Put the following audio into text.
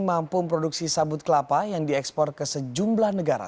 mampu memproduksi sabut kelapa yang diekspor ke sejumlah negara